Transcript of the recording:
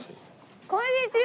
こんにちは。